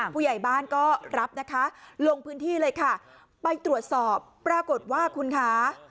ผู้ใหญ่บ้านก็รับนะคะลงพื้นที่เลยค่ะไปตรวจสอบปรากฏว่าคุณคะ